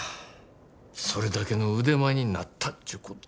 それだけの腕前になったちゅうこっちゃ。